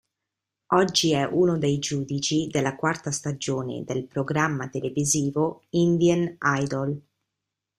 Oggi è uno dei giudici della quarta stagione del programma televisivo Indian Idol.